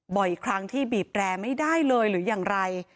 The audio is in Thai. บ่อยอีกครั้งที่บีบแปรไม่ได้เลยหรือยังไร